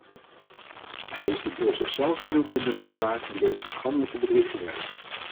Hij is de door zichzelf benoemde bemiddelaar in deze schandelijke bedriegerij.